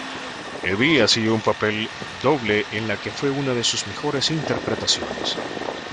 Eddy hacía un papel doble en la que fue una de sus mejores interpretaciones.